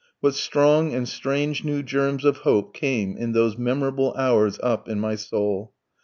What strong and strange new germs of hope came in those memorable hours up in my soul!